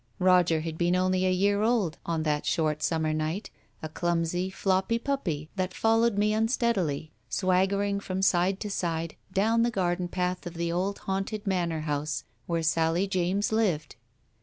Roger had been only a year old on that short summer night, a clumsy, flopping puppy that followed me unsteadily, swaggering from side to side, down the garden path of the old haunted manor house where Sally James lived.